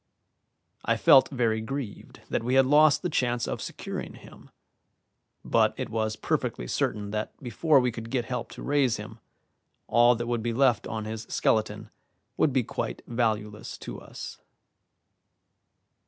I felt very grieved that we had lost the chance of securing him; but it was perfectly certain that before we could get help to raise him, all that would be left on his skeleton would be quite valueless to us.